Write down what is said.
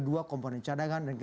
dan ketiga komponen perusahaan negara